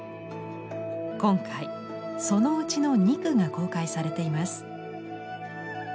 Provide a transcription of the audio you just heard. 今回そのうちの２躯が公開されています。